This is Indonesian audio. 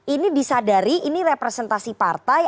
ini disadari ini representasi partai